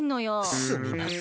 すみません。